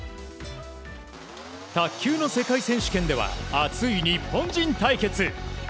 卓球の世界選手権では熱い日本人対決。